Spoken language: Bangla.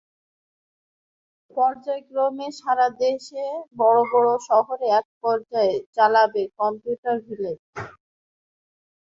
পর্যায়ক্রমে সারা দেশে বড় বড় শহরে এ কার্যক্রম চালাবে কম্পিউটার ভিলেজ।